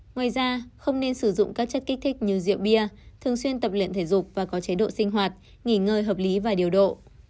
ngoài ra không nên sử dụng các chất kích thích như rượu bia thường xuyên tập luyện thể dục và có chế độ sinh hoạt nghỉ ngơi hợp lý và điều độ